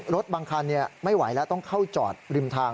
รถบางคันไม่ไหวแล้วต้องเข้าจอดริมทาง